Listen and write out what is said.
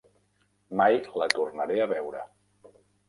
Mai la tornaré a veure.